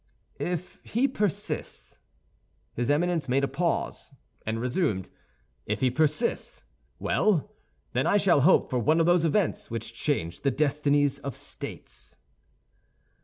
"If he persists—" His Eminence made a pause, and resumed: "If he persists—well, then I shall hope for one of those events which change the destinies of states."